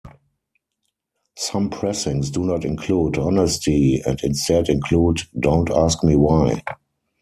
Some pressings do not include "Honesty", and instead include "Don't Ask Me Why".